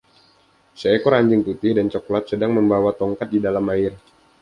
Seekor anjing putih dan coklat sedang membawa tongkat di dalam air.